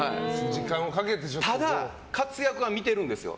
ただ、活躍は見てるんです。